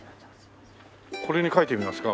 これに描いてみますか？